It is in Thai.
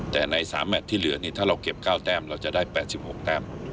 แต่ใน๓แมทที่เหลือนี่ถ้าเราเก็บ๙แต้มเราจะได้๘๖แต้ม